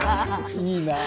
いいなあ！